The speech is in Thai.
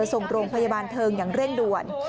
ส่งโรงพยาบาลเทิงอย่างเร่งด่วน